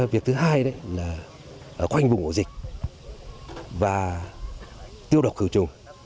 việc thứ hai là quanh vùng của dịch và tiêu độc cửu trùng